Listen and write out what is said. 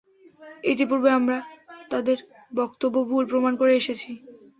ইতিপূর্বে আমরা তাদের বক্তব্য ভুল প্রমাণ করে এসেছি।